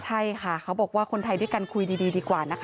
ใช่ค่ะเขาบอกว่าคนไทยด้วยกันคุยดีดีกว่านะคะ